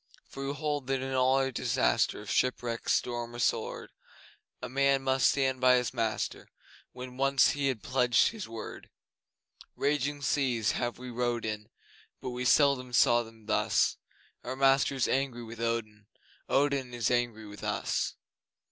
For we hold that in all disaster Of shipwreck, storm, or sword, A man must stand by his master When once he had pledged his word! Raging seas have we rowed in, But we seldom saw them thus; Our master is angry with Odin Odin is angry with us!